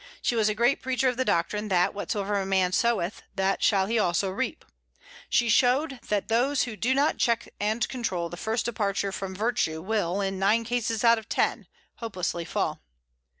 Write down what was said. She was a great preacher of the doctrine that "whatsoever a man soweth, that shall he also reap." She showed that those who do not check and control the first departure from virtue will, in nine cases out of ten, hopelessly fall.